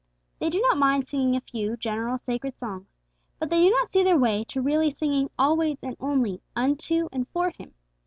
They do not mind singing a few general sacred songs, but they do not see their way to really singing always and only unto and for Him.